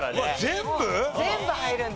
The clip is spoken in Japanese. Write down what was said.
全部入るんだ。